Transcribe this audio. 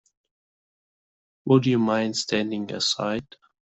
Would you mind standing aside?